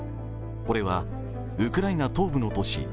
これはウクライナ東部の都市